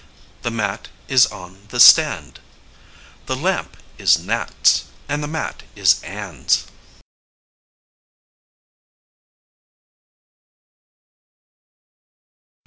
The mat is on the stand. The lamp is Nat's, and the mat is Ann's.